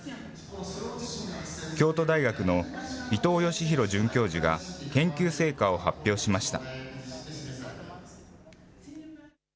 京都大学の伊藤喜宏准教授が、研究成果を発表しました。